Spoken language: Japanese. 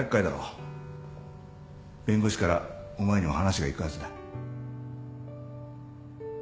弁護士からお前にも話が行くはずだ。